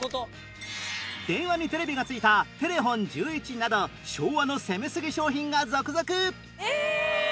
電話にテレビが付いたてれ・ほん１１など昭和の攻めすぎ商品が続々！